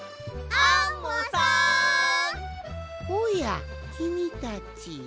おやきみたち。